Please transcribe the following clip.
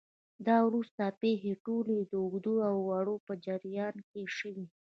دا او وروسته پېښې ټولې د اوږده اوړي په جریان کې شوې دي